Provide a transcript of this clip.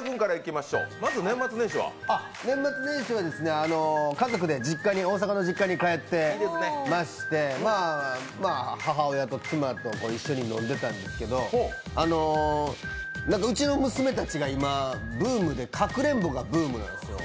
年末年始は家族で大阪の実家に帰っていまして、母親と妻と一緒に飲んでたんですけどうちの娘たちが今、かくれんぼがブームなんですよ。